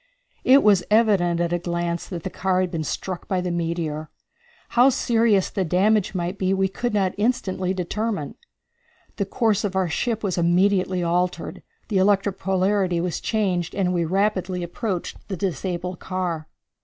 It was evident at a glance that the car had been struck by the meteor. How serious the damage might be we could not instantly determine. The course of our ship was immediately altered, the electric polarity was changed, and we rapidly approached the disabled car.